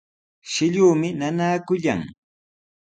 Shilluumi nanaakullan.